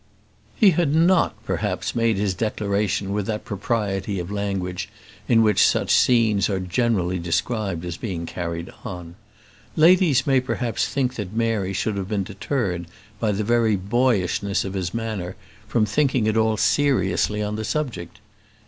He had not, perhaps, made his declaration with that propriety of language in which such scenes are generally described as being carried on. Ladies may perhaps think that Mary should have been deterred, by the very boyishness of his manner, from thinking at all seriously on the subject.